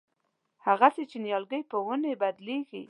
هغسې چې نیالګی په ونې بدلېږي.